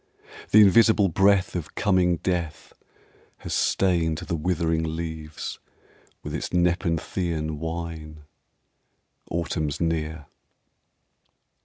The invisible breath of coming death has stained The withering leaves with its nepenthean wine Autumn's near.